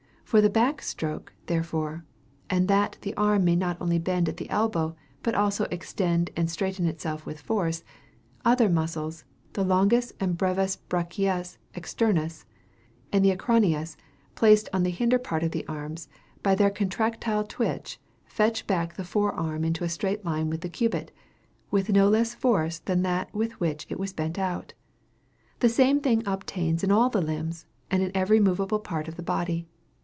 For the back stroke therefore, and that the arm may not only bend at the elbow, but also extend and straighten itself with force, other muscles, the longus, and brevis brachiaeus externus, and the aconaeus, placed on the hinder part of the arms, by their contractile twitch, fetch back the fore arm into a straight line with the cubit, with no less force than that with which it was bent out. The same thing obtains in all the limbs, and in every moveable part of the body.